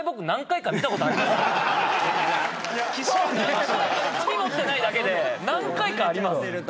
何回かあります。